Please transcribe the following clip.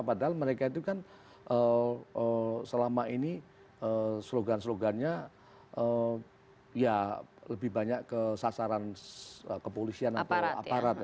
padahal mereka itu kan selama ini slogan slogannya ya lebih banyak ke sasaran kepolisian atau aparat